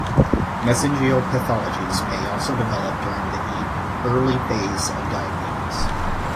Mesangial pathologies may also develop during the early phase of diabetes.